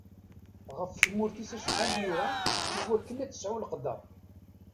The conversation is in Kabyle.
Ɣef tmurt-is acḥal yura, i wakken ad tesɛu leqder.